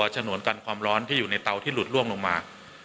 ฉนวนกันความร้อนที่อยู่ในเตาที่หลุดล่วงลงมา